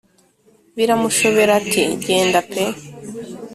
biramushobera ati genda pe